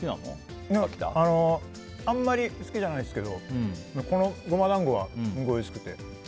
あんまり好きじゃないですけどこのゴマだんごはすごい好きで。